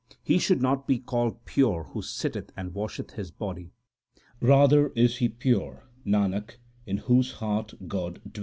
He should not be called pure who sitteth and washeth his body ; Rather is he pure, Nanak, in whose heart God dwelleth.